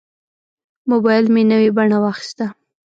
موبایل مې نوې بڼه واخیسته.